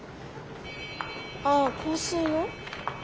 ああ香水の？